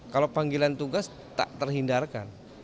kalau panggilan tugas tak terhindarkan